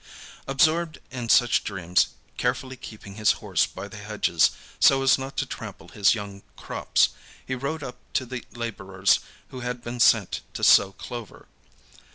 Absorbed in such dreams, carefully keeping his horse by the hedges, so as not to trample his young crops, he rode up to the laborers who had been sent to sow clover.